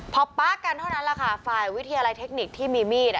พอป๊ากันเท่านั้นแหละค่ะฝ่ายวิทยาลัยเทคนิคที่มีมีด